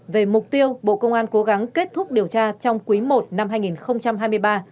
về mục tiêu bộ công an cố gắng kết thúc điều tra trong quý i năm hai nghìn hai mươi ba